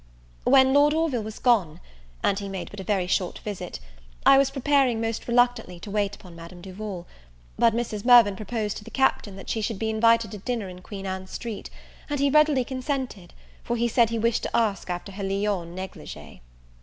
When Lord Orville was gone, and he made but a very short visit, I was preparing, most reluctantly, to wait upon Madame Duval; but Mrs. Mirvan proposed to the Captain, that she should be invited to dinner in Queen Ann Street; and he readily consented, for he said he wished to ask after her Lyons negligee.